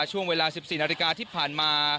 ช่วงเวลา๑๔นาฬิกาที่ผ่านมา